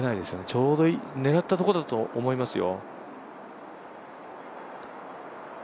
ちょうど狙ったところだと思いますよ。